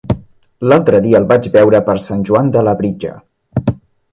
L'altre dia el vaig veure per Sant Joan de Labritja.